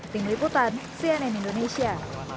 tim liputan cnn indonesia